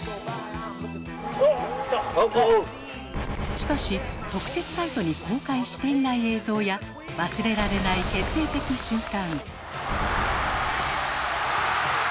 しかし特設サイトに公開していない映像や忘れられない決定的瞬間。